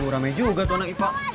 waduh ramai juga tuh anak ipa